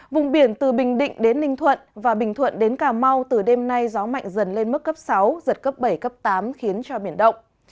vùng biển từ bình định đến ninh thuận và bình thuận đến cà mau từ đêm nay gió mạnh dần lên mức cấp sáu giật cấp bảy cấp tám khiến cho biển động